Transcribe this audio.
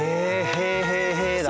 へえへえへえだ。